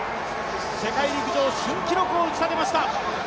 世界陸上新記録を打ち立てました。